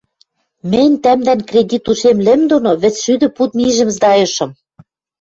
мӹнь тӓмдӓн кредит ушем лӹм доно вӹцшӱдӹ пуд мижӹм сдайышым.